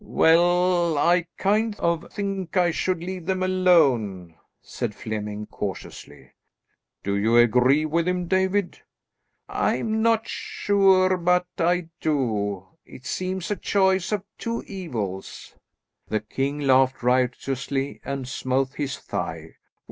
"Well, I kind of think I should leave them alone," said Flemming cautiously. "Do you agree with him, David?" "I'm not sure but I do. It seems a choice of two evils." The king laughed riotously and smote his thigh.